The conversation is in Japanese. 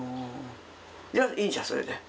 じゃあいいじゃんそれで。